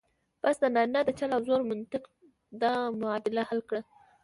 بس د نارینه د چل او زور منطق دا معادله حل کړه.